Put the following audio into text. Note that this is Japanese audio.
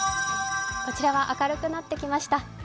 こちらは明るくなってきました。